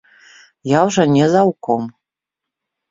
Я ўжо не заўком.